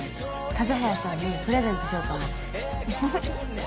風早さんにプレゼントしようと思って。